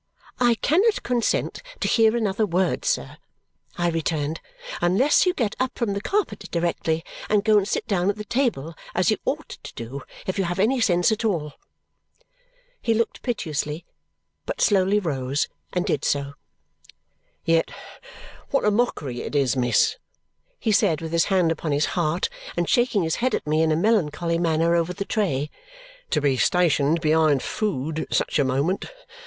"I cannot consent to hear another word, sir," I returned, "Unless you get up from the carpet directly and go and sit down at the table as you ought to do if you have any sense at all." He looked piteously, but slowly rose and did so. "Yet what a mockery it is, miss," he said with his hand upon his heart and shaking his head at me in a melancholy manner over the tray, "to be stationed behind food at such a moment.